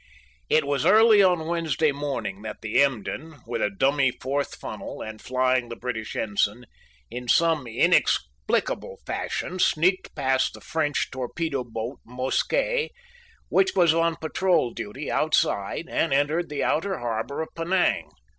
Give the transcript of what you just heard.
It was early on Wednesday morning that the Emden, with a dummy fourth funnel and flying the British ensign, in some inexplicable fashion sneaked past the French torpedo boat Mosquet, which was on patrol duty outside, and entered the outer harbor of Penang.